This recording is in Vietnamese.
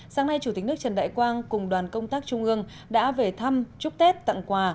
sáng nay chủ tịch nước trần đại quang cùng đoàn công tác trung ương đã về thăm chúc tết tặng quà